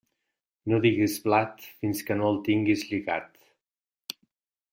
No digues blat fins que no el tingues lligat.